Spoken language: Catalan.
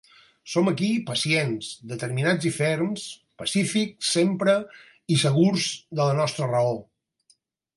Som aquí, pacients, determinats i ferms, pacífics sempre, i segurs de la nostra raó.